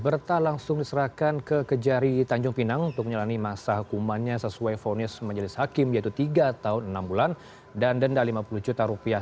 berta langsung diserahkan ke kejari tanjung pinang untuk menjalani masa hukumannya sesuai fonis majelis hakim yaitu tiga tahun enam bulan dan denda lima puluh juta rupiah